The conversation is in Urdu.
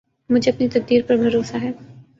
مجھے اپنی تقدیر پر بھروسہ ہے